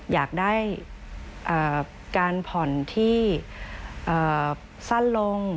อยากได้การผ่อนที่สั้นลง